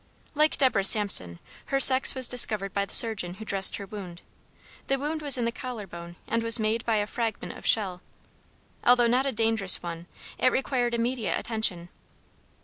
Like Deborah Samson, her sex was discovered by the surgeon who dressed her wound. The wound was in the collar bone and was made by a fragment of shell. Although not a dangerous one it required immediate attention.